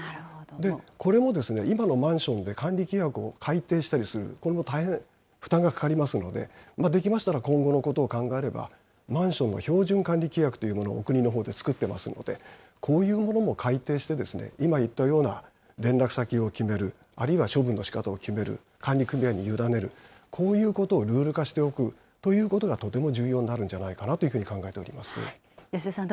で、これもですね、今のマンションで管理規約を改定したりする、これも大変負担がかかりますので、できましたら、今後のことを考えれば、マンションの標準管理規約というものをお国のほうで作ってますので、こういうものも改定して、今言ったような連絡先を決める、あるいは処分のしかたを決める、管理組合に委ねる、こういうことをルール化しておくということが、とても重要になるんじゃないかなというふうに考えております。